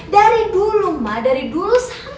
dari dulu ma dari dulu sampai detik ini